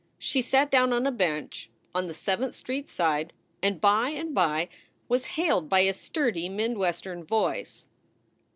She sat down on a bench on the Seventh Street side, and by and by was hailed by a sturdy mid Western voice.